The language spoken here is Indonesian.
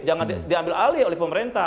jangan diambil alih oleh pemerintah